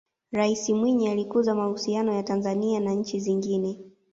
raisi mwinyi alikuza mahusiano ya tanzania na nchi zingine